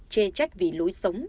chê trách vì lối sống